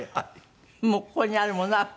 もうここにあるものはここ。